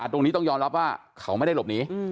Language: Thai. ตรงนี้ต้องยอมรับว่าเขาไม่ได้หลบหนี